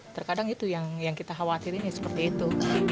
terkadang itu yang kita khawatirin seperti itu